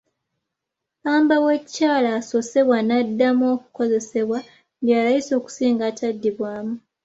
Ppamba w'ekikyala asozebwa n'addamu okukozesebwa bya layisi okusinga ataddibwamu.